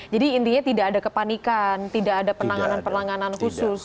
jadi intinya tidak ada kepanikan tidak ada penanganan penanganan khusus